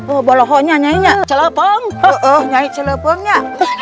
oh bohongnya nyanyi celupong oh nyanyi celupongnya